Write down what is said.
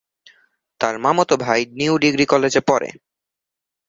তার মামাতো ভাই নিউ ডিগ্রি কলেজে পড়ে।